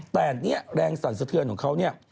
แต่เนี่ยแรงสั่นสะเทือนของเขาเนี่ย